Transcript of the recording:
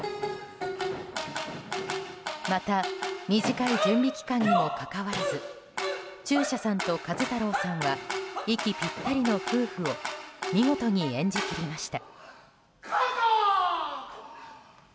また短い準備期間にもかかわらず中車さんと壱太郎さんは息ぴったりの夫婦を見事に演じ切りました。